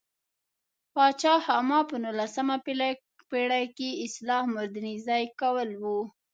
پاچا خاما په نولسمه پېړۍ کې اصلاح او مودرنیزه کول و.